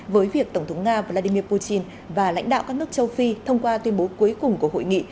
với việc tổng thống nga vladimir putin và lãnh đạo các nước châu phi thông qua tuyên bố cuối cùng của hội nghị